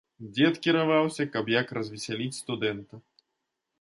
Дзед кіраваўся, каб як развесяліць студэнта.